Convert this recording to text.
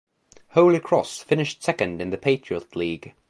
Holy Cross finished second in the Patriot League.